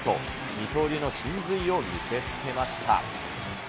二刀流の神髄を見せつけました。